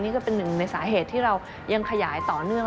นี่ก็เป็นหนึ่งในสาเหตุที่เรายังขยายต่อเนื่อง